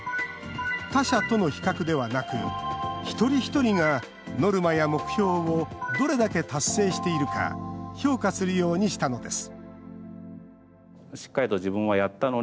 他者との比較ではなく一人一人がノルマや目標をどれだけ達成しているか評価するようにしたのです